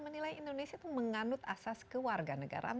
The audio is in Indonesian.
menilai indonesia itu menganut asas ke warga negara